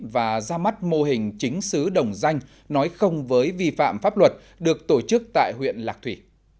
và ra mắt mô hình chính xứ đồng danh nói không với vi phạm pháp luật được tổ chức tại huyện lạc thủy